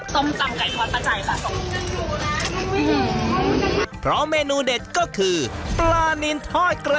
ส้มตำไก่ทอดปะจ่ายซ่ะ